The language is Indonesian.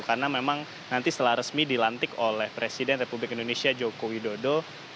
karena memang nanti setelah resmi dilantik oleh presiden republik indonesia joko widodo